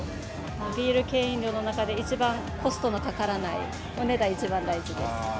ビール系飲料の中で、一番コストのかからない、お値段一番大事です。